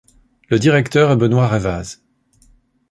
Le directeur est Benoît Revaz.